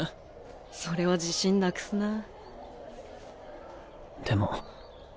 それは自信なくすなぁ。